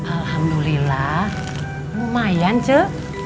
alhamdulillah lumayan ceh